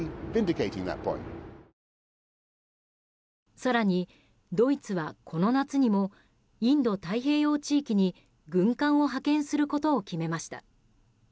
更にドイツは、この夏にもインド太平洋地域に軍艦を派遣することを決めました。